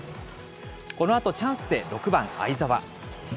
このあとチャンスで、６番會澤。